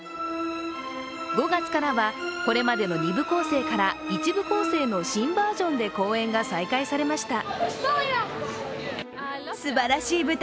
５月からはこれまでの２部構成から１部構成の新バージョンで公演が再開されました。